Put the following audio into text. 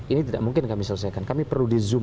ini tidak mungkin kami selesaikan kami perlu di zoom